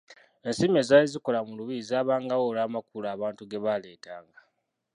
Ensimbi ezaali zikola mu lubiri zaabangawo olw'amakula abantu ge baaleetanga.